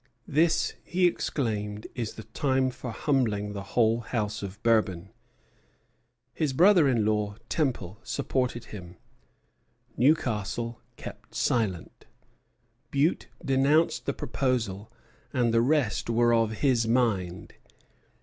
"This," he exclaimed, "is the time for humbling the whole House of Bourbon!" His brother in law, Temple, supported him. Newcastle kept silent. Bute denounced the proposal, and the rest were of his mind.